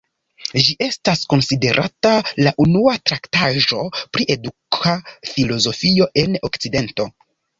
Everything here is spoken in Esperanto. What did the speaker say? Ĝi estas konsiderata la unua traktaĵo pri eduka filozofio en Okcidento.